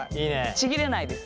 ちぎれないですね。